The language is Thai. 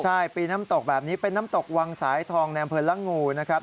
ใช่ปีน้ำตกแบบนี้เป็นน้ำตกวังสายทองในอำเภอละงูนะครับ